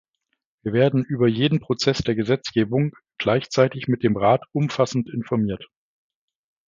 Wir werden über jeden Prozess der Gesetzgebung gleichzeitig mit dem Rat umfassend informiert.